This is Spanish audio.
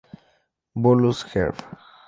Bolus Herb.